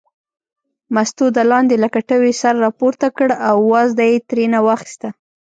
مستو د لاندې له کټوې سر راپورته کړ او وازده یې ترېنه واخیسته.